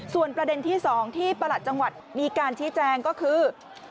ส่วนประเด็นที่๒ที่ประหลัดจังหวัดมีการชี้แจงก็คือ